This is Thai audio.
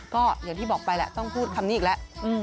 ก็อย่างที่บอกไปแหละต้องพูดคำนี้อีกแล้ว